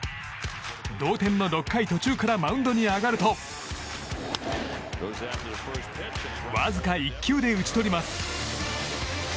同点の６回途中からマウンドに上がるとわずか１球で打ち取ります。